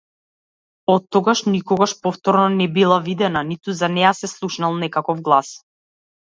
Оттогаш никогаш повторно не била видена, ниту за неа се слушнал некаков глас.